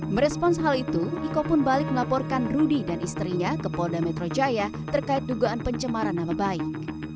merespons hal itu iko pun balik melaporkan rudy dan istrinya ke polda metro jaya terkait dugaan pencemaran nama baik